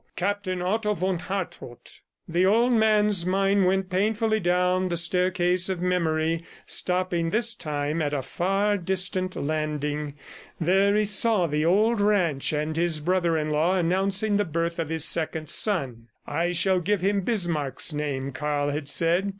... Captain Otto von Hartrott." The old man's mind went painfully down the staircase of memory, stopping this time at a far distant landing. There he saw the old ranch, and his brother in law announcing the birth of his second son. "I shall give him Bismarck's name," Karl had said.